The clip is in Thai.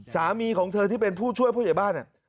สามีของเธอที่เป็นผู้ช่วยผู้ใหญ่บ้าน